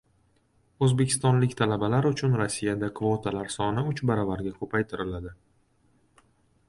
O‘zbekistonlik talabalar uchun Rossiyada kvotalar soni uch baravarga ko‘paytiriladi